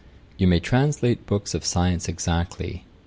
'You may translate books of science exactly.